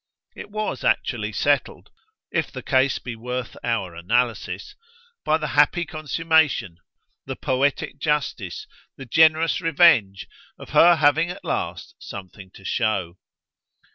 It was actually settled if the case be worth our analysis by the happy consummation, the poetic justice, the generous revenge, of her having at last something to show.